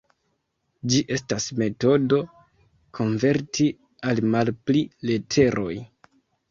Ĝi estas metodo konverti al malpli leteroj.